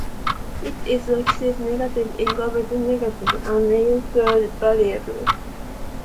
It is oxidase-negative, indole-negative, and urease-variable.